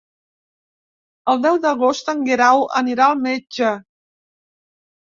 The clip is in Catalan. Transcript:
El deu d'agost en Guerau anirà al metge.